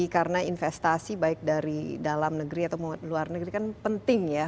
karena investasi baik dari dalam negeri atau luar negeri kan penting ya